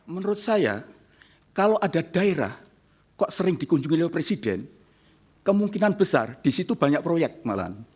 menurut saya kalau ada daerah kok sering dikunjungi oleh presiden kemungkinan besar di situ banyak proyek malahan